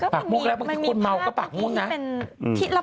มุกแล้วบางทีคนเมาก็ปากม่วงนะ